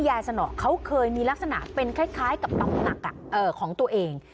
ยายสนเค้าเคยมีลักษณะเป็นคล้ายกับต้องหนักของตัวเอง